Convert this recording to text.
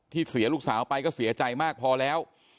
เสียลูกสาวไปก็เสียใจมากพอแล้ว